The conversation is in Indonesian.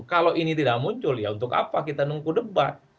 kalau ini tidak muncul ya untuk apa kita nunggu debat